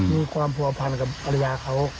มีความผัวพันกับภรรยาเขา